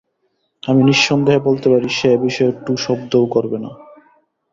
আমি নিঃসন্দেহে বলতে পারি, সে এবিষয়ে টু শব্দও করবেনা।